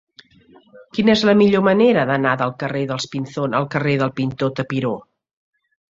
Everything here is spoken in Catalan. Quina és la millor manera d'anar del carrer dels Pinzón al carrer del Pintor Tapiró?